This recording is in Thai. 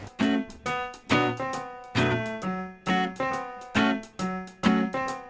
สวัสดีครับ